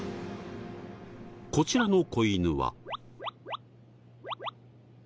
こちらの子犬は。